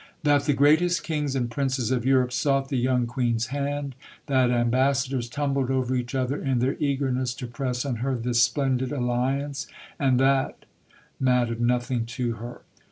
That the greatest Kings and Princes of Europe sought the young Queen's hand; that ambassadors tumbled over each other in their eagerness to press on her this splendid alliance and that, mattered nothing to her.